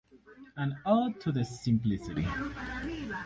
An ode to the simplicity.